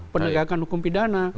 penegakan hukum pidana